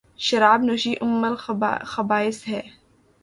شراب نوشی ام الخبائث ہےـ